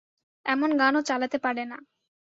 এমন গান ও চালাতে পারে না।